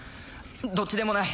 どっちでもない